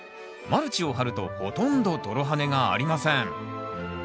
マルチを張るとほとんど泥跳ねがありません